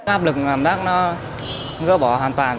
áp lực cảm giác nó ngỡ bỏ hoàn toàn